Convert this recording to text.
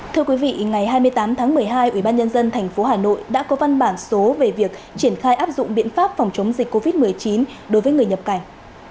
thưa quý vị ngày hai mươi tám tháng một mươi hai ubnd tp hà nội đã có văn bản số về việc triển khai áp dụng biện pháp phòng chống dịch covid một mươi chín đối với người nhập cảnh